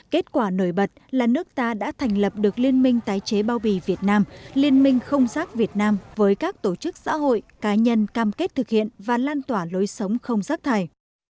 kết quả nổi bật là nước ta đã thành lập được liên minh tái chế bao bì việt nam liên minh không rác việt nam với các tổ chức xã hội cá nhân cam kết thực hiện và lan tỏa lối sống không rác thải